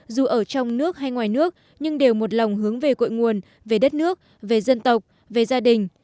dù ở trong nước hay ngoài nước nhưng đều một lòng hướng về cội nguồn về đất nước về dân tộc về gia đình